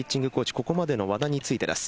ここまでの和田についてです。